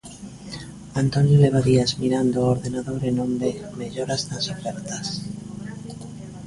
Antonio leva días mirando o ordenador e non ve melloras nas ofertas.